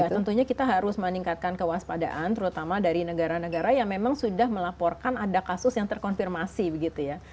ya tentunya kita harus meningkatkan kewaspadaan terutama dari negara negara yang memang sudah melaporkan ada kasus yang terkonfirmasi begitu ya